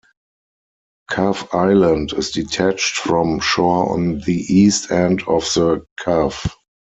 Cove Island is detached from shore on the East end of the Cove.